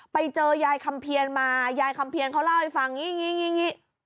ไปเจอยายคำเพียนมายายคำเพียรเขาเล่าให้ฟังอย่างนี้